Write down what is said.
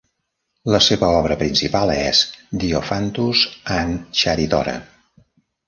La seva obra principal és "Diophantus and Charidora".